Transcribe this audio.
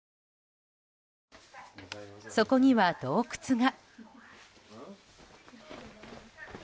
そこには洞窟が。